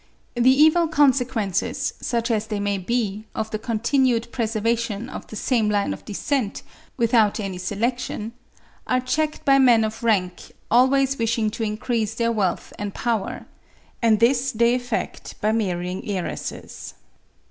The evil consequences, such as they may be, of the continued preservation of the same line of descent, without any selection, are checked by men of rank always wishing to increase their wealth and power; and this they effect by marrying heiresses.